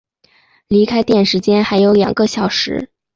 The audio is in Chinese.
离开店时间还有两个小时